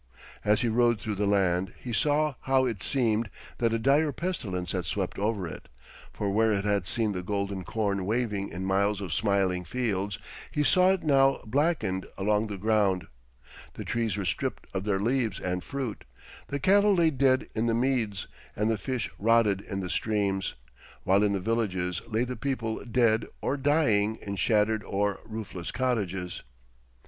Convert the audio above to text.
As he rode through the land, he saw how it seemed that a dire pestilence had swept over it; for where he had seen the golden corn waving in miles of smiling fields, he saw it now blackened along the ground; the trees were stripped of their leaves and fruit, the cattle lay dead in the meads, and the fish rotted in the streams, while in the villages lay the people dead or dying in shattered or roofless cottages.